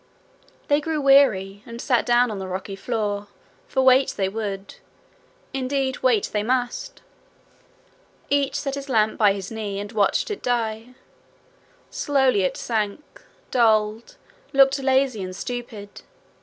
They grew weary, and sat down on the rocky floor, for wait they would indeed, wait they must. Each set his lamp by his knee, and watched it die. Slowly it sank, dulled, looked lazy and stupid.